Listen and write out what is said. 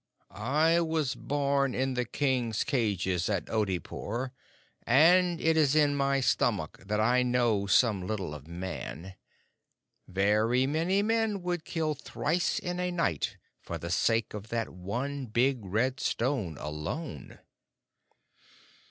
"I was born in the King's cages at Oodeypore, and it is in my stomach that I know some little of Man. Very many men would kill thrice in a night for the sake of that one big red stone alone."